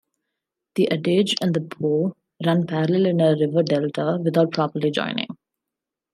The Adige and the Po run parallel in the river delta without properly joining.